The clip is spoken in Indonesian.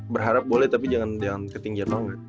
berharap boleh tapi jangan ketinggian banget